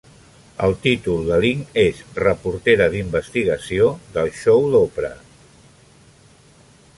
El títol de Ling és Reportera d'investigació del show d'Oprah.